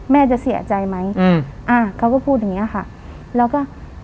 แม่จะเสียใจไหมอืมอ่าเขาก็พูดอย่างเงี้ยค่ะแล้วก็